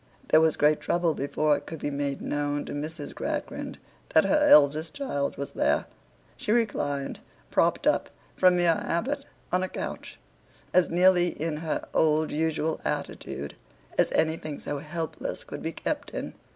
There was great trouble before it could be made known to Mrs. Gradgrind that her eldest child was there. She reclined, propped up, from mere habit, on a couch: as nearly in her old usual attitude, as anything so helpless could be kept in.